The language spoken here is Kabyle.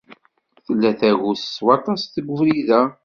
Tella tagut s waṭas deg ubrid-a.